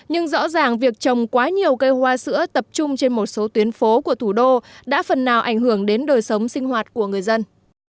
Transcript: nhưng rõ ràng việc trồng quá nhiều cây hoa sữa tập trung trên một số tuyến phố của thủ đô đã phần nào ảnh hưởng đến đời sống sinh hoạt của người dân